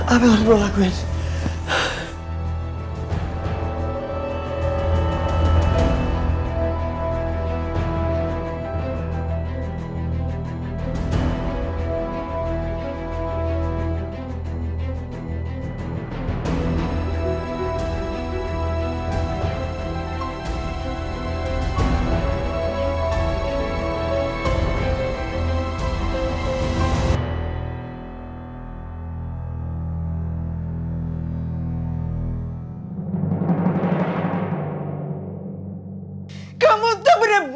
apa yang harus gue lakuin